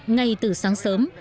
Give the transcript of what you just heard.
ngay từ sáng sớm